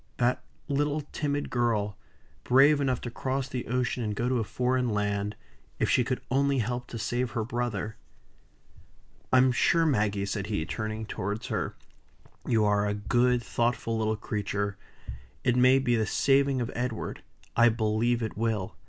That little timid girl brave enough to cross the ocean and go to a foreign land, if she could only help to save her brother! "I'm sure Maggie," said he, turning towards her, "you are a good, thoughtful little creature. It may be the saving of Edward I believe it will.